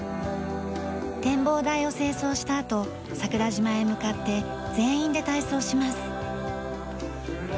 展望台を清掃したあと桜島へ向かって全員で体操します。